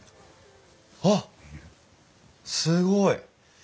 あっすごい。